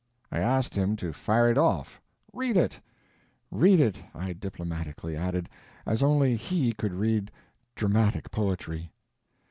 I asked him to fire it off—read it; read it, I diplomatically added, as only he could read dramatic poetry.